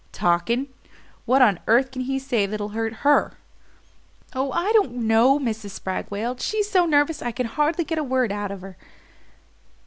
"Talking? What on earth can he say that'll hurt HER?" "Oh, I don't know," Mrs. Spragg wailed. "She's so nervous I can hardly get a word out of her."